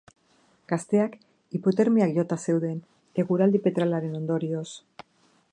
Gazteak hipotermiak jota zeuden, eguraldi petralaren ondorioz.